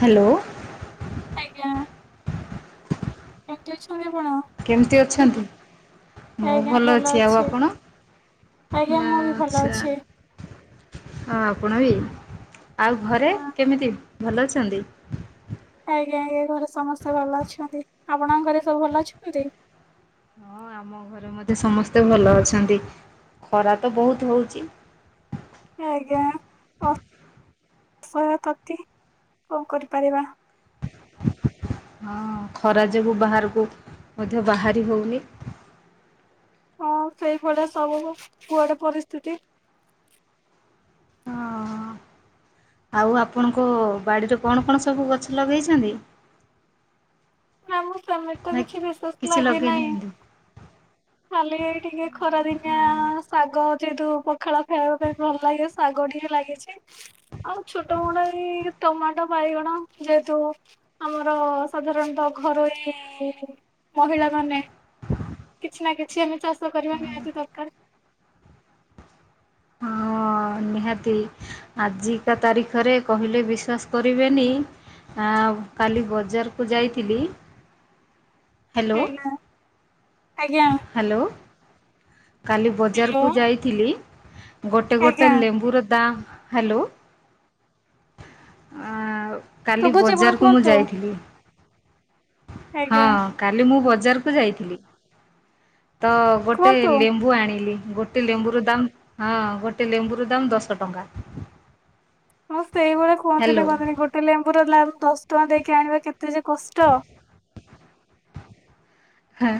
Hello. ଆଜ୍ଞା କେମିତି ଅଛନ୍ତି ଆ କେମିତି ଅଛନ୍ତି ମୁଁ ଭଲ ଅଛି ଆଉ ଆପଣ ଆଜ୍ଞା ନା ମୁଁ ବି ଭଲ ଆଚ୍ଛା। ଅଛି। ହଁ ଆପଣ ବି। ଆଉ ଘରେ ହଁ କେମିତି? ଭଲ ଅଛନ୍ତି? ଆଜ୍ଞା ଆଜ୍ଞା ଘରେ ସମସ୍ତେ ଭଲ ଅଛନ୍ତି ଆପଣଙ୍କ ଘରେ ସବୁ ଭଲ ଅଛନ୍ତି? ହଁ ଆମ ଘରେ ମଧ୍ୟେ ସମସ୍ତେ ଭଲ ଅଛନ୍ତି ଖରା ତ ବହୁତ ହଉଛି। ଆଜ୍ଞା ଅସହୟ ତାତି କଣ କରିପାରିବା। ହଁ ଖରା ଯୋଗୁ ବାହାରକୁ ମଧ୍ୟ ବାହାରି ହଉନି। ହଁ ସେଇଭଳିଆ ସବୁ କୁଆଡେ ପରିସ୍ଥିତି। ହଁ ଆଉ ଆପଣଙ୍କ ବାଡ଼ିରେ କଣ କଣ ସବୁ ଗଛ ଲଗେଇଛନ୍ତି? ନା ମୁଁ ସେମିତ ନା କିଛି ବିଶେଷ କିଛି ଲାଗେ ଲଗେଇ ନାହିଁ ନାହାନ୍ତି? ଖାଲି ଟିକେ ଖରା ଦିନିଆ ହଁ, ଶାଗ ଯେହେତୁ ପଖାଳ ଖାଇବା ପାଇଁ ଭଲ ଲାଗେ ଶାଗ ଟିକେ ଲାଗିଛି। ଆଉ ଛୋଟ ମୋଟ ଏଇ ଟମାଟୋ ବାଇଗଣ ଯେହେତୁ ଆମର ସାଧାରଣତଃ ଘରରେ ମହିଳା ମାନେ କିଛି ନା କିଛି ଆମେ ଚାଷ ଚାଷ କରିବା ନିହାତି ଦରକାର। ହଁ ନିହାତି ଆଜିକା ତାରିଖରେ କହିଲେ ବିଶ୍ୱାସ କରିବେନି କାଲି ବଜାରକୁ ଯାଇଥିଲି ହ୍ୟାଲୋ ଆଜ୍ଞା ଆଜ୍ଞା। ହ୍ୟାଲୋ କାଲି ହ୍ୟାଲୋ ବଜାରକୁ ଯାଇଥିଲି। ଗୋଟେ ଗୋଟେ ଆଜ୍ଞା ଲେମ୍ବୁର ଦାମ ହ୍ୟାଲୋ ଆଁ କାଲି ଶୁଭୁଛି ଆପଣ ବଜାରକୁ ମୁଁ କୁହନ୍ତୁ ଯାଇଥିଲି। ହଁ ଆଜ୍ଞା କାଲି ମୁଁ ବଜାର ବଜାରକୁ ଯାଇଥିଲି। ତ ଗୋଟେ କୁହନ୍ତୁ ଲେମ୍ବୁ ଆଣିଲି ଗୋଟେ ଲେମ୍ବୁର ଦାମ ହଁ ଗୋଟେ ଲେମ୍ବୁର ଦାମ୍ ଦଶ ଟଙ୍କା। ହଁ ସେଇଭଳିଆ କୁହନ୍ତିନି ହ୍ୟାଲୋ କୁହନ୍ତିନି ଗୋଟେ ଲେମ୍ବୁର ଦାମ ଦଶ ଟଙ୍କା ଦେଇକି ଆଣିବା କେତେ ଯେ କଷ୍ଟ ହଁ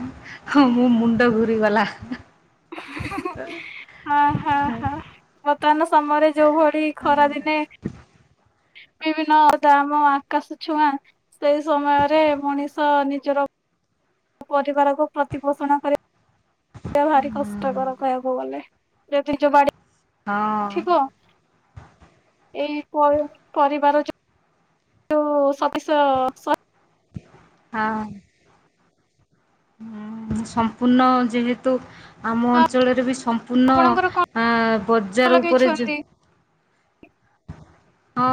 ହଁ ମୋ ମୁଣ୍ଡ ଘୁରିଗଲା। ହଁ ହଁ ହଁ। ବର୍ତ୍ତମାନ ସମୟରେ ଯୋଉ ଭଳି ଖରା ଦିନେ ବିଭିନ୍ନ ଦାମ ଆକାଶ ଛୁଆଁ ସେଇ ସମୟରେ ମଣିଷ ନିଜର ପରିବାରକୁ ପ୍ରତିପୋଷଣ କରି ବା ଭାରି କଷ୍ଟକର କହିବାକୁ ଗଲେ। ଏତି ଯୋଉ ବାଡ଼ି ହଁ। ଏଇ ପରିବାର ସତେଇଶ ସ ହଁ। ସମ୍ପୂର୍ଣ୍ଣ ଯେହେତୁ ଆମ ଅଞ୍ଚଳରେ ବି ସମ୍ପୁର୍ଣ୍ଣ ଆପଣଙ୍କର କଣ ପୁନ ବଜାର ଉପରେ ଯୋ ଲଗେଇଛନ୍ତି? [unintelligible] ହଁ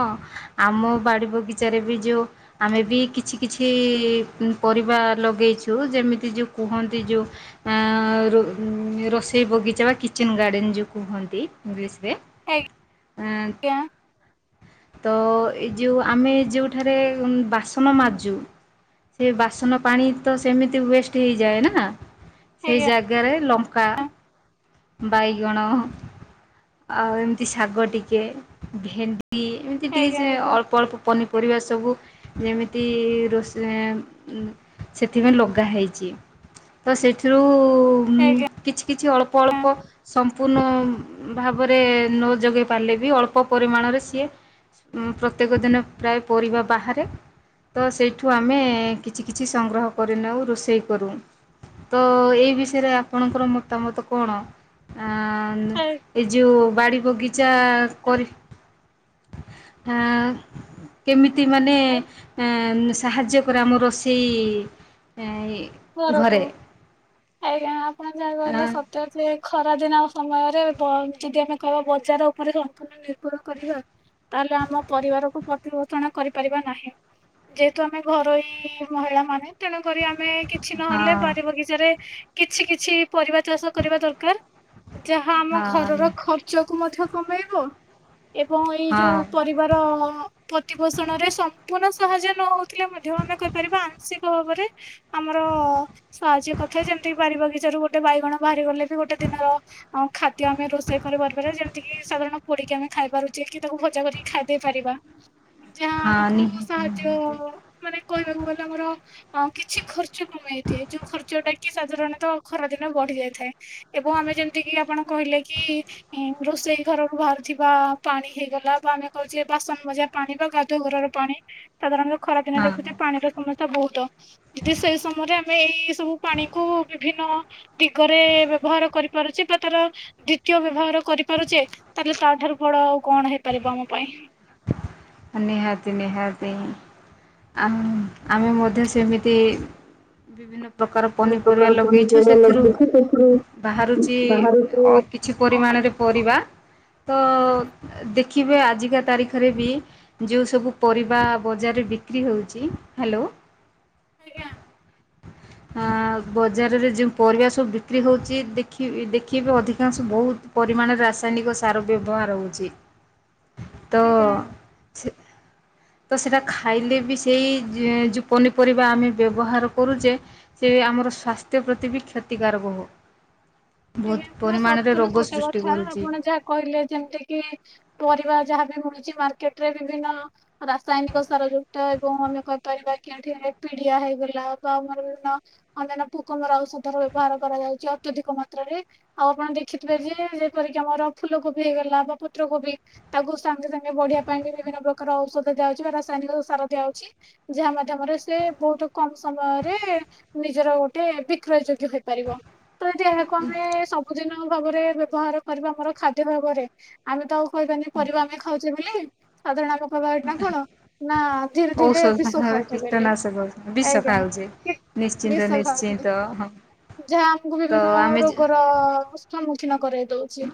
ଆମ ବାଡି ବଗିଚାରେ ବି ଯୋଉ ଆମେ ବି କିଛି କିଛି ପରିବା ଲଗେଇଛୁ। ଯେମିତି ଯୋଉ କୁହନ୍ତି ଯୋଉ ରୋଷେଇ ବଗିଚା ବା କିଚେନ୍ ଗାର୍ଡେନ ଯୋଉ କୁହନ୍ତି। [inaudible] ତ ଆଜ୍ଞା ଏ ଯୋଉ ଆମେ ଯୋଉଠାରେ ବାସନ ମାଜୁ ସେ ବାସନ ପାଣି ତ ସେମିତି ୱେଷ୍ଟ ହେଇଯାଏ ନା। ସେଇ ଆଜ୍ଞା ଜାଗାରେ ଲଙ୍କା ବାଇଗଣ ଆଉ ଏମିତି ଶାଗ ଟିକେ ଭେଣ୍ଡି ଏମିତି ଟିକେ ଆଜ୍ଞା ସେ ଅଳ୍ପ ଅଳ୍ପ ପନିପରିବା ସବୁ [inaudible] ଆଜ୍ଞା ଆଜ୍ଞା କିଛି କିଛି ଅଳ୍ପ ଅଳ୍ପ ସମ୍ପୂର୍ଣ୍ଣ ଭାବରେ ନ ଯୋଗାଇ ପାରିଲେ ବି ଅଳ୍ପ ପରିମାଣରେ ସିଏ ପ୍ରତ୍ୟେକ ଦିନ ପ୍ରାୟ ପରିବା ବାହାରେ। ତ ସେଇଠୁ ଆମେ କିଛି କିଛି ସଂଗ୍ରହ କରିନେଉ ରୋଷେଇ କରୁ। ତ ଏଇ ବିଷୟରେ ଆପଣଙ୍କର ମତାମତ କଣ ଏ ଯୋଉ ବାଡ଼ି ବଗିଚା ଯା କରିବି କେମିତି ମାନେ ସାହାଯ୍ୟ କରେ ଆମ ରୋଷେଇ ଇ ଘର କୁ ଆଜ୍ଞା। ଆପଣ ଯା କହିଲେ ସତ ଖରାଦିନ ସମୟରେ ଯଦି ଆମେ କହିବା ବଜାର ଉପରେ ସମ୍ପୂର୍ଣ୍ଣ ନିର୍ଭର କରିବା ତାହେଲେ ଆମ ପରିବାରକୁ ପ୍ରତିିପୋଷଣ କରିପାରିବା ନାହିଁ। ଯେହେତୁ ଆମେ ଘରୋଇ ମହିଳା ମାନେ ତେଣୁକରି ଆମେ ମାନେ କିଛି ନହେଲେ ହଁ ବାରି ବଗିଚାରେ କିଛି କିଛି ପରିବା ଚାଷ କରିବା ଦରକାର। ଯାହା ଆମ ଘରର ହଁ ଖର୍ଚ୍ଚକୁ ମଧ୍ୟ କମେଇବୁ ଏବଂ ଏଇ ଯୋଉ ହଁ ପରିବାର ପ୍ରତିପୋଷଣରେ ସମ୍ପୂର୍ଣ୍ଣ ସାହାଯ୍ୟ ନ ହଉଥିଲେ ମଧ୍ୟ ଆମେ କହିପାରିବା ଆଂଶିକ ଭାବରେ ଆମ ସାହାଯ୍ୟ କଥା ଯେମିତି ବାରି ବଗିଚାରୁ ଗୋଟେ ବାଇଗଣ ବାହାରିଗଲେ ଗୋଟେ ଦିନର ଖାଦ୍ୟ ଆମେ ରୋଷେଇ କରିପାରିବା ଯେମିତି କିି ସାଧାରଣ ପୋଡିକି ଆମେ ଖାଇ ପାରୁଛେ କି ତାକୁ ଭଜା କରିକି ଖାଇ ଦେଇ ପାରିବା। ଯାହା ହଁ ଆମକୁ ନିହାତି ନିହାତି ସାହାଯ୍ୟ ମାନେ କହିବାକୁ ଗଲେ ଆମର ହଁ କିଛି ଖ ଖର୍ଚ୍ଚ କମେଇଦିଏ, ଯୋଉ ଖର୍ଚ୍ଚ ଟା କି ସାଧାରଣତଃ ଖରାଦିନ ବଢି ଯାଇଥାଏ ଏବଂ ଆମେ ଯେମିତି କିି ଆପଣ କହିଲେ କି ରୋଷେଇ ଘରରୁ ବାହାରୁଥିବା ପାଣି ହେଇଗଲା ବା ଆମେ କହୁଛେ ବାସନ ମଜା ପାଣି ବା ଗାଧୁଆ ଘରର ପାଣି ସାଧାରଣତଃ ଖରାଦିନେ ଦେଖୁଚେ ପାଣିର ସମସ୍ୟା ବହୁତ ତ ଯଦି ସେ ସମୟରେ ଆମେ ଏଇ ସବୁ ପାଣି କୁ ବିଭିନ୍ନ ଦିଗରେ ବ୍ୟବହାର କରିପାରୁଚେ ବା ତାର ଦ୍ଵିତୀୟ ବ୍ୟବହାର କରିପାରୁଚେ ତାହେଲେ ତା ଠାରୁ ବଡ ଆଉ କଣ ହେଇପାରିବ ଆମ ପାଇଁ। ନିହାତି ନିହାତି ଆମ୍ ଆମେ ମଧ୍ୟ ସେମିତି ବିଭିନ୍ନ ପ୍ରକାର ବିଭିନ୍ନ ପନିପରିବା ପ୍ରକାର ଲଗେଇଛୁ ପନିପରିବା ସେଥିରୁ ଲଗେଇଛି ସେଥିରୁ ବାହାରୁଚି ବାହାରକୁ ଅ କିଛି ପରିମାଣରେ ପରିବା। ତ ଦେ ଖିବେ ଆଜିକା ତାରିଖ ରେବି ଯେଉଁ ସବୁ ପରିବା ବଜାରରେ ବିକ୍ରି ହେଉଛି ହାଲୋ। ଆଜ୍ଞା। ହଁ ବଜାରରେ ଯେଉଁ ପରିବା ସବୁ ବିକ୍ରି ହଉଛି ଦେଖି ଦେଖିବେ ଅଧିକାଂଶ ବହୁତ ପରିମାଣରେ ରାସାୟନିକ ସାର ବ୍ୟବହାର ହଉଛି। ତ ଆଜ୍ଞା ଛି ତ ସେଇଟା ଖାଇଲେ ବି ସେଇ ଯଉ ପନିପରିବା ଆମେ ବ୍ୟବହାର କରୁଚେ, ସେ ଆମର ସ୍ୱାସ୍ଥ୍ୟ ପ୍ରତି ବି କ୍ଷତିକାରକ ହବ। ଆଜ୍ଞା ଆପଣ ସମ୍ପୂର୍ଣ୍ଣ ସତ କଥା କରୁଛି ଆପଣ ଯାହା କହିଲେ ଯେମିତି କିି ପରିବା ଯାହାବି ମିଳୁଚି ମାର୍କେଟ ରେ ବିଭିନ୍ ରାସାୟନିକ ସାର ଯୁକ୍ତ ଏବଂ ଆମେ କହିପାରିବା ଠି ପିଡିଆ ହେଇଗ ବା ଆମର ବି ଅନ୍ୟ ପୋକମରା ଔଷଧର ବ୍ୟବହାର କରାଯାଉଛି। ଅତ [unintelligible] ଆଉ ଆପଣ ଦେଖିଥିବେ ଯେ ଯେପରିକି ଆମର ଫୁଲକୋବି ହେଇଗଲା ବା ପତ୍ରକୋବି ତାକୁ ସାଙ୍ଗେ ସାଙ୍ଗେ ବଢିବା ପାଇଁ ବି ବିଭିନ୍ନ ପ୍ରକାର ଔଷଧ ଦିଆହଉଛି ବା ରାସାୟନିକ ସାର ଦିଆହଉଛି ଯାହା ମାଧ୍ୟମରେ ସେ ବହୁତ କମ୍ ସମୟରେ ନିଜର ଗୋଟେ ବିକ୍ରୟ ଯୋଗ୍ୟ ହେଇପାରିବ। ତ ଏଇଠି ଦୋକାନ ରେ ସବୁଦିନ ଭାବରେ ବ୍ୟବହାର କରିବା ଆମର ଖାଦ୍ୟ ଭାବରେ ଆମେ ତ ଆଉ କହିବାନାଇଁ ପରିବା ଆମେ ଖାଉ ଚି ବିଲି ସାଧାରଣ ଆମେ କହିବା ଏଇଟା କଣ ନା ଧୀରେ ଧୀରେ ଔଷଧ ବିଷ ନହେଲେ ଖାଉଛେ ବୋଲି କୀଟାନାଶ ବିଷ ଆଜ୍ଞା। ଖାଉଛି କି- ନିଶ୍ଚିନ୍ତ ବିଷ ଖାଉଛେ ନିଶ୍ଚିନ୍ତ ହଁ ଯାହା ଆମକୁ ତ ବିଭିନ୍ନ ଆମେ ରୋଗର [unintelligible] କିଛି ନ କରେ ଦଉଛି,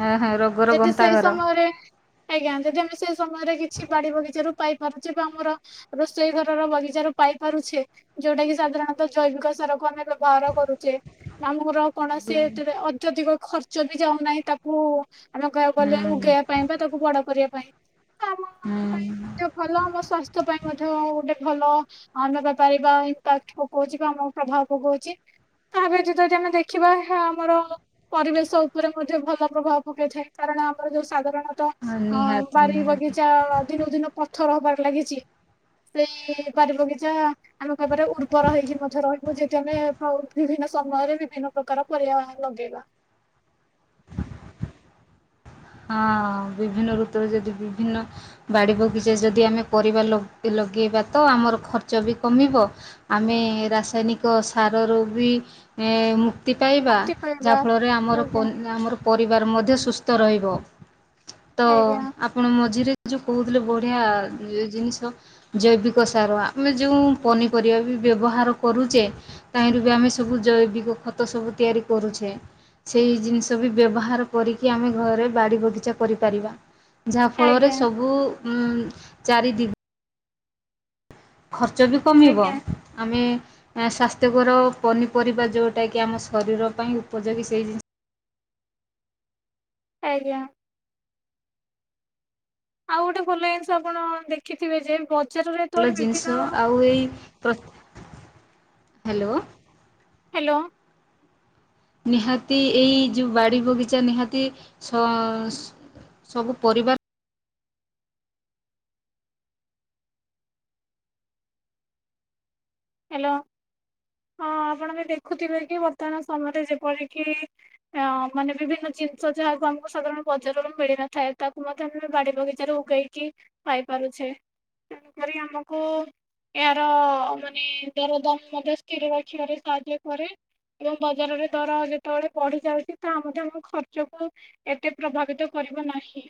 ହଁ ହଁ ରୋଗର ଯଦି ସେଇ ଗନ୍ତାଘର ସମୟରେ ଆଜ୍ଞା ଯଦି ଆମେ ସେଇ ସମୟରେ କିଛି ବାଡି ବଗିଚାରୁ ପାଇପାରୁଚେ ବା ଆମର ରୋଷେଇ ଘରର ବଗିଚାରୁ ପାଇ ପାରୁଛେ ଯୋଉଟା କି ସାଧାରଣତଃ ଜୈବିକ ସାର କୁ ଆମେ ବ୍ୟବହାର କରୁଚେ ମାମୁଘର କୌଣସି ହୁଁ ଏଥିରେ ଅଦ୍ୟଧିକ ଖ ଯଦି ଜାଣୁନାହିଁ ତାକୁ ଆମେ କହିବାକୁ ଗଲେ ଉଗେଇବା ପାଇଁ ବା ତାକୁ ବଡ କରିବା [unintelligible] ଆମ ପାଇଁ ହୁଁ ମଧ୍ୟ ଭଲ ଆମ ସ୍ୱାସ୍ଥ୍ୟ ପାଇଁ ମଧ୍ୟ ଗୋଟେ ଭଲ ଆମେ ପାଇ ପାରିବା ଇମ୍ପାକ୍ଟ ପକଉଛି ବା ଆମକୁ ପ୍ରଭାବ ପକଉଛି ତା ବ୍ୟତୀତ ଯଦି ଆମେ ଦେଖିବା ଦେଖିବା ଏହା ଆମର ପରିବେଶ ଉପରେ ମଧ୍ୟ ଭଲ ପ୍ରଭାବ ପକେଇଥାଏ କାରଣ ଆମର ଯୋଉ ସାଧନା [unintelligible] ହଁ ନିହାତି ବାରି ନିହାତି ବଗିଚା ଦିନକୁ ଦିନ ପଥର ହବାରେ ଲାଗିଛି ସେଇ ବାରି ବଗିଚା ଆମେ କହିବାର ଉର୍ବର ହେଇକି ମଧ୍ୟ ରହିବୁ ଯେହେତୁ ଆମେ ବିଭିନ୍ନ ସମୟରେ ବିଭିନ୍ନ ପ୍ରକାର ପରିବା ଲଗେଇବା। ହଁ ବିଭିନ୍ନ ଋତୁରେ ଯଦି ବିଭିନ୍ନ ବାଡ଼ି ବଗିଚା ଯଦି ଆମେ ପରିବା ଲଗେଇବା ତ ଆମର ଖର୍ଚ୍ଚ ବି କମିବ ଆମେ ରାସାୟନିକ ସାରରୁ ବି ଏଁ- ତି ପାଇବା ମୁକ୍ତି ପାଇବା। ଯାହାଫଳରେ ଆମର ଆଜ୍ଞା ପରି ପରିବାର ମଧ୍ୟ ସୁସ୍ଥ ରହିବ। ର ତ ଆଜ୍ଞା ଆପଣ ମଝିରେ। ଆମ ଯେଉଁ କହୁଥିଲେ ବଢ଼ିଆ ଜିନିଷ ଜୈବିକ ସାର ଆମେ ଯେଉଁ ପନିପରିବା ବି ବ୍ୟବହାର କରୁଛେ ତାହିଁରୁ ବି ଆମେ ସବୁ ଜୈବିକ ଖତ ସବୁ ତିଆରି କରୁଛେ ସେଇ ଜିନିଷ ବି ବ୍ୟବହାର କରିକି ଆମେ ଘରେ। ବାଡ଼ି ବଗିଚା କରିପାରିବା। ଯାହାଫଳରେ ଆଜ୍ଞା ସବୁ। ଉଁ ଚାରି ଦି ଖର୍ଚ୍ଚ ବି କମିବ ଆଜ୍ଞା ଆମେ ସ୍ଵାସ୍ଥ୍ୟକର ପନିପରିବା ଯୋଉଟା କି ଆମ ଶରୀର ପାଇଁ ଉପଯୋଗୀ ସେଇ ଜିନି ଆଜ୍ଞା। ଆଉ ଗୋଟେ ଭଲ ଜିନିଷ ଆପଣ ଦେଖିଥିବେ ଯେ ବଜାରରେ ଭଲ ଯେତେବେଳେ ବିଭିନ୍ନ ଜିନିଷ ଆଉ ଏଇ ହ୍ୟାଲୋ। ହ୍ୟାଲୋ। ନିହାତି ଏଇ ଯୋଉ ବାଡ଼ି ବଗିଚା ନିହାତି ସବୁ ପରିବା ହ୍ୟାଲୋ ହଁ ଆପଣ ବି ଦେଖୁଥିବେ କି ବର୍ତ୍ତମାନ ସମୟରେ ଯେପରିକି ମାନେ ବିଭିନ୍ନ ଜିନିଷ ଯାହାକୁ ଆମକୁ ସାଧାରଣ ବଜାରରୁ ମିଳିନଥାଏ ତାକୁ ମଧ୍ୟ ଆମେ ବାଡି ବଗିଚାରେ ଉଗେଇକି ପାଇପାରୁଛେ ତେଣୁକରି ଆମକୁ ଏହାର ମେ ମାନ ଦର ଦାମ ମଧ୍ୟ ସ୍ଥିର ରଖିବାରେ ସାହାଯ୍ୟ କରେ ଏବଂ ବଜାରରେ ଦର ଯେତେବେଳେ ବଢି ଯାଉଛି ତାହା ମଧ୍ୟ ଆମ ଖର୍ଚ୍ଚକୁ ଏତେ ପ୍ରଭାବିତ କରିବ ନାହିଁ।